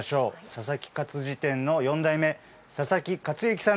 佐々木活字店の４代目佐々木勝之さんです。